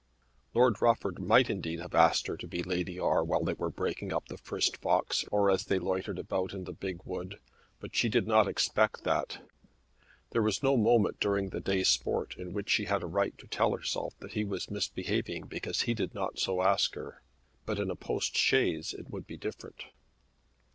Lord Rufford might indeed have asked her to be Lady R. while they were breaking up the first fox, or as they loitered about in the big wood; but she did not expect that. There was no moment during the day's sport in which she had a right to tell herself that he was misbehaving because he did not so ask her. But in a postchaise it would be different.